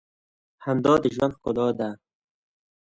• خندا د ژوند ښکلا ده.